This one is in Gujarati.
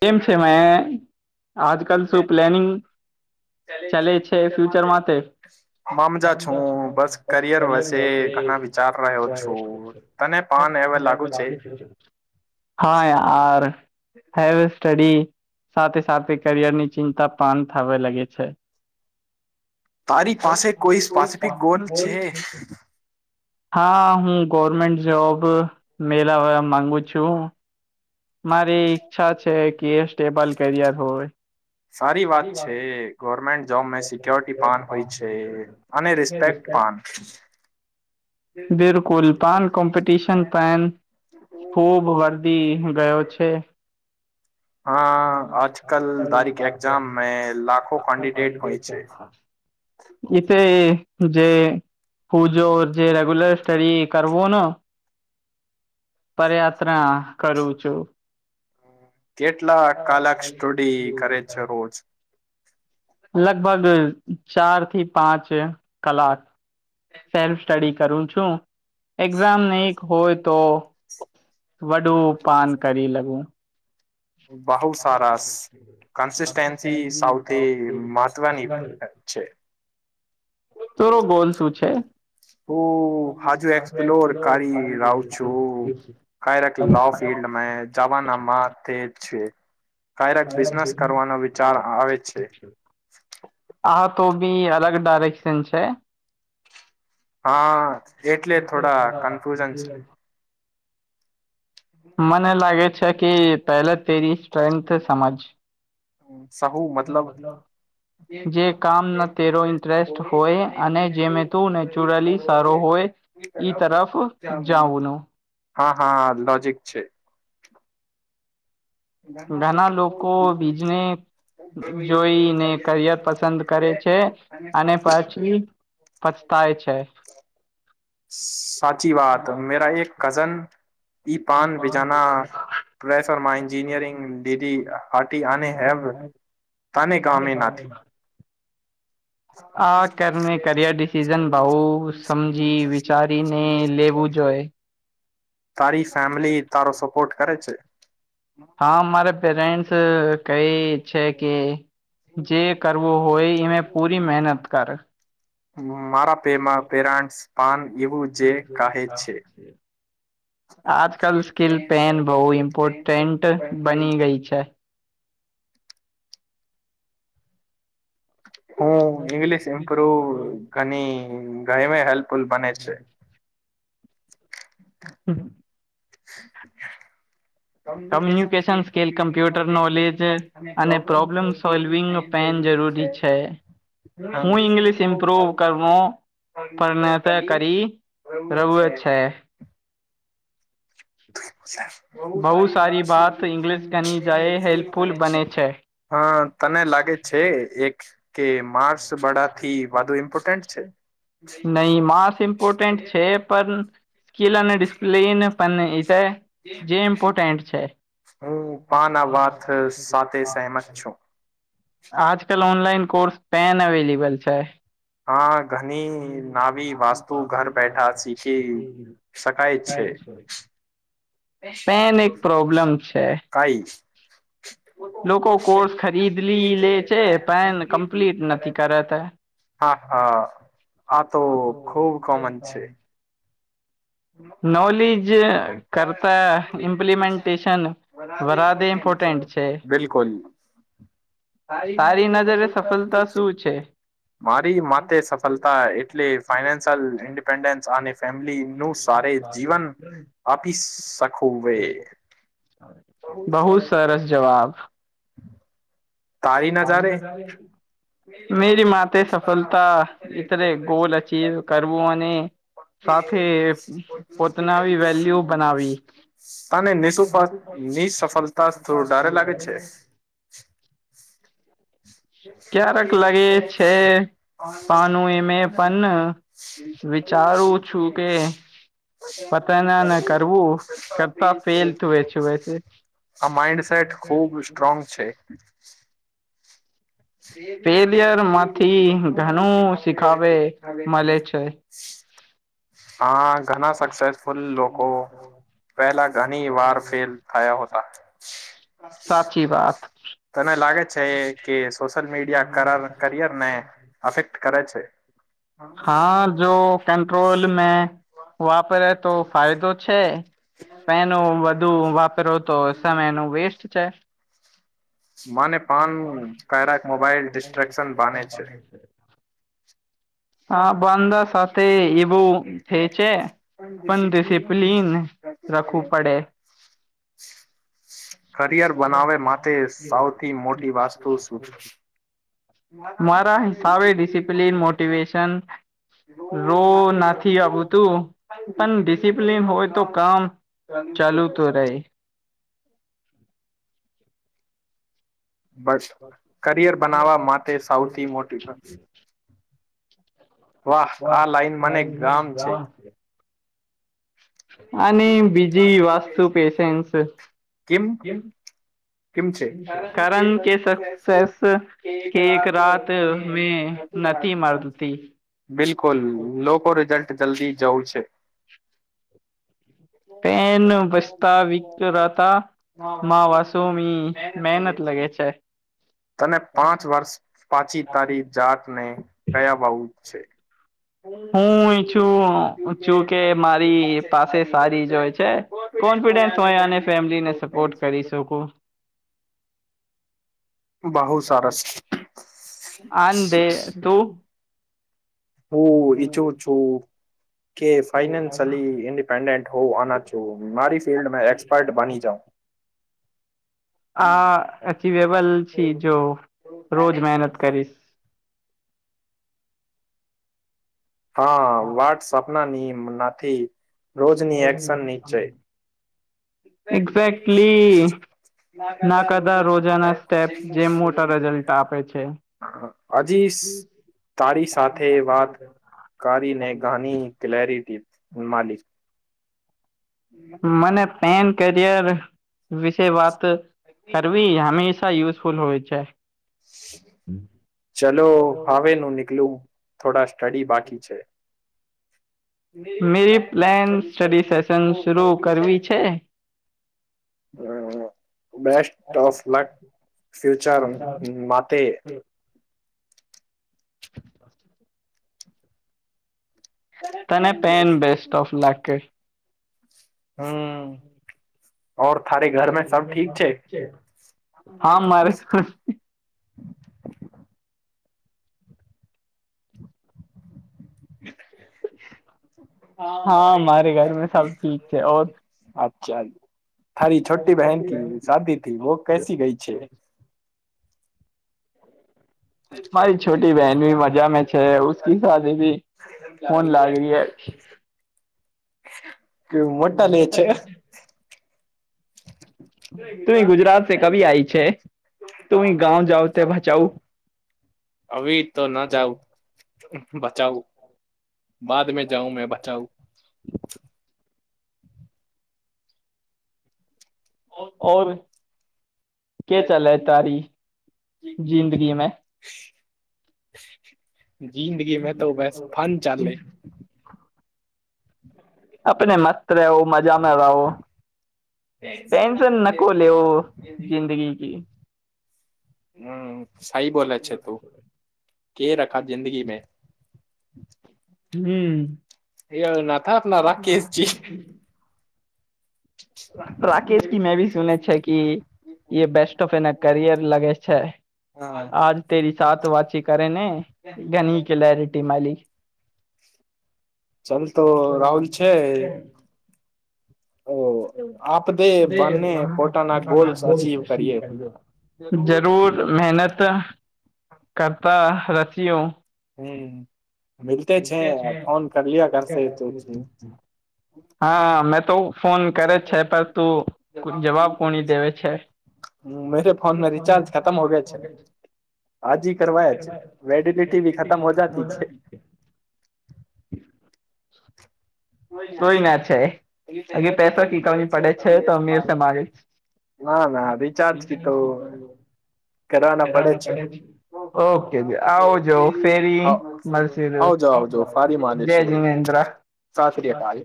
કેમ છે? મેં આજકાલ શું પ્લેનિંગ? ચલે છે, ફ્યુચર માટે? મમજા છું, બસ કરિયર વશેે ઘણા વિચાર રહ્યો છું. તને પાન એવું લાગુ છે? હા, યાર. હવે, સ્ટડી સાથે સાથે કરિયરની ચિંતા પણ થવા લાગે છે. [unintelligible] તારી પાસે કોઈ સ્પેસિફિક ગોલ છે? હા, હું ગવર્મેન્ટ જોબ મેળવવા માગું છું. મારી ઈચ્છા છે કે એ સ્ટેબલ કેરિયર હોય. સારી વાત છે, ગવર્મેન્ટ જોબ સિક્યોરિટી પણ હોય છે. અને રિસ્પેક્ટ પણ. [unintelligible] તો છે. હા, આજકલ તારીખ એક્ઝામ લાખો કેન્ડિડેટ હોય છે. તે જે. પુ જો જે રેગ્યુલર સ્ટડી કરવો ને. પરયાત્રા કરું છું. કેટલા કલાક સ્ટડી કરે છે રોજ? લગભગ ચાર થી પાંચ કલાક. સેલ્ફ સ્ટડી કરું છું, એક્ઝામ નહીં હોય તો. વડું પાન કરી લીઘું. [unintelligible] તારો ગોલ શું છે? હું હજુ એક્સપ્લોર કરી રઉ છું. કરું, એક લો ફિલ્ડ મે. જવાના તે છે, કંઈક બિઝનેસ કરવાનો વિચાર આવે છે. આ તો ભી અલગ ડાઇરેકશન છે. હા, એટલે થોડા કન્ફ્યુઝન છે. મને લાગે છે કે પહેલે તેરી સ્ટ્રેન્થ સમજ. સહું મતલબ? જે કામ ન તેરો ઇન્ટરેસ્ટ હોય અને જે મે તું નેચરલી સારો હોય. એઈ તરફ જાઉનું. હા, હા, લોજિક છે. ઘણા લોકો બીજનેસ જોઈ ને કરિયર પસંદ કરે છે, અને પછી પછતાય છે. સાચી વાત. મેરા એક કઝન ઈ પણ પ્રેશરમાં હોય. [unintelligible] તને ગામે ના [unintelligible] [unintelligible] આ કરને, કરિયર ડિસિઝન બઉ જ સમજી વિચારીને લેવું જ. જોઈએ. તારી ફેમિલી તારો સપોર્ટ કરે છે? હા અમારે પેરેન્ટન્ટ્સ કઈ છે કે જે કરવું હોય એમે પૂરી મહેનત કર મારા પેમાં પેરાન્ટ પાન એવું જે કહે છે. આજકાલ સ્કીલ પેન બહુ ઇમ્પોર્ટન્ટ બની ગઈ છે. હું ઈંગ્લિશ ઇમ્પ્રુવ ઘણી ગાઈમે હેલ્પફુલ બને છે. હમ. [unintelligible] કોમ્યુનિકેશન સ્કિલ કમ્પ્યુટર નોલેજ અને પ્રોબ્લેમ સોલ્વિંગ પેન જરૂરી છે. છે, હું ઇંગ્લિશ ઇમ્પ્રુવ કર પરણત કરી, રહવ છે. શ [inaudible] હ [unintelligible] બહુ સારી વાત ઈંગ્લિશ ગનીજાય હેલ્પફુલ બને છે. હ તને લાગે છે એક કે માર્સ નહી માસ ઇમ્પોર્ટેન્ટ છે પણ સ્કીિલ અને ડિસ્પ્લિન પણ જે ઇમ્પોર્ટેન્ટ છે. હું પાન આ વાત સાથે સહમત છું. આજ કલ ઓનલાઈન કોર્સ પેન અવેલેબલ છે. હા ઘણી નાવી વાસ્તુ ઘર બેઠા શીખી શકાય છે. પેન એક પ્રોબ્લમ છે. લોકો કોર્સ ખરીદ લ લે છે પેન કમ્પ્લીટ નથી કરાતા. નોલેજ કરતા ઇમ્પ્લિમેન્ટેશન પ બિલકુલ. મારી માથે ફલતા એટલે ફાઈનાન્શિયલ ઇન્ડિપેન્ડન્સ અને ફેમિલી ન સાર જીવન આપી શખુંવે. બહુ સરસ જવાબ. હમ [inaudible] ચળીસ હજાર [unintelligible] મેરી માતે સફળતા ઇતરે ગોલ અચીવ કરવું અને અને નેસફ ની સફળતા થોડું ડારે લાગે છે. ક્યારેક લાગે છે. [unintelligible] પતનાને કરવું કરતા ફેલ તું વેચું છે. આ માઈન્ડસેટ ખુબ સ્ટ્રોંગ છે. [unintelligible] [inaudible] હા ઘણા સક્સેસફુલ લોકો પહેલા ઘણી વાર ફેલ થયા હતા. અચછી વાત. તને લાગે છે કે સોશિયલ મીડિયા કરિયર ને અફેક્ટ કરે છે. હા જો કંટ્રોલ મે વાપરે તો ફાયદો છે. પેનું વધુ વાપરો તો સમય ન વેસ્ટ છે. માને પાન કરાક મોબાઈલ ડિસ્ટ્રક્શન બાને છે. [inaudible] હા બાંદા સાથે એવું થ છે, પણ ડિસિપ્લીન રખવું પડે. કરિયર બનાવે માટે સૌથી મોટી વાસ્તુ [unintelligible] મોટિવેશન રો નથી આવતું પણ ડિસિપ્લન હોય તો કામ કની ફેમસ બસ કરિયર બનાવવા માટે સૌથી મોટી વાહ આ લાઈન મને ગામ છે. અને બીજી વાસ્તુ પેશન્સમ કારણ કે સક્સેસ કે એક રાત મેં નથી મરતી બિલકુલ લોકો રિઝલ્ટ જલ્દી જવું છે. પેન બસ્તા વિકતા મા વાસુમી મહેનત લગે છે તને પાંચ વર્ષ પાછી તારી જાત ને કયા વાવું છે. હું ઇરછું છું કે મારી પાસે સારી જો હોય છે કોન્ફિડન્સ હોય અને ફેમિલી ને સપોર્ટ કરી શકું આંદે તું હું ઈચ્છું છું કે ફાઈન્સલી ન્ડિપેન્ડેન્ટ હો આના મારી ફિલ્ડ એક્સપર્ટ બની જાવ આ અચીવેબલ છી જો રોજ મહેનત કરીશ. હા વાત સપનાની નાથી રોજની એક્શન નીચે એક્ઝેક્ટલી ના કદા રોજાના સ્ટેપ્સ જેમ મોટા રિઝલ્ટ આપે છે. હજી તારી સાથે વાત કરીને ઘની ક્લારીટી માલિક મને પેન કરિયર વિશે વાત કરવી હમેશા યઝફુલ હોય છે. ચલો હવે નું નીકલું થોડા સ્ટડી બાકી છે. મેરી પ્લેન સ્ટડી સેશન શરૂ કરવી છે હ હ બેસ્ટ ઓફ લક ફ્યુચર હ માટે [inaudible] તને પેન બેસ્ટ ઓફ લક હમ્મ ઓર થારે ઘર મે સબ ઠીક છે. [inaudible] હા મારે ઘર મે સબ ઠીક છે. ઓર અચ્છા તારી છોટી બહેન કી શાદી થી વો કસી ગઈ છે? મારી છોટી બહેની મજા મે છે ઉસકી શાદી ભી ફન લાગ રહી એ કે મોટા લે છે તુમ ગુજરાત સે કભી આઈ છે, તુમ ગાવ જાઓ તો બચાઓ અીભી તો ન જાઉ બચાઉ બાદ મે જાઉ મે બચાઉ ઓ ઔ કે ચાલે હ તારી જિંદગી મે જિંદગી મે તો બસ ફન ચાલે આપણે માત્ર એવો મત જામે રહો ટેન્શન નખો લેવુ જિંદગી કી હમ્મ સઈ બોલે છે તું કે રખા જિંદગી મે એ નાથ આપના રાકેશજી રાકેશ કી મેં ભી સુને છે કે એ બેસ્ટ ઓફ એના કરિયર લગે છે આજ તેરી સાત વાચી કરે ને ઘણી કલરિટી માલી ચાલ તો રાહુલ છે અરે મક આ બો શી જરૂર મહેનત કરતા રચ્યો હમ્મ મલતે છે ફોન કર લયો ઘરસે તો હા મેં તો ફોન કરે છે પર તું જવાબ કોણી દેવે છે મેરે ફોનમાં રિચાર્જ ખતમ હો ગયા છે હાજી કરવાયા છે વેલિડિટી ભી ખતમ હો જતી છે કોઈ ના છે અગે પૈસા ક કમી પડે છે તો અમીરસે માગે ના ના રિચાર્જ કી તો કરવાના પડે છે આવજો આવજો ફારી માનીશું સા શ્રીય કાલ